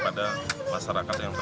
kita bergerak untuk membangun